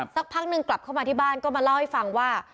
สักพักนึงกลับเข้ามาที่บ้านก็มาเล่าให้ฟังว่า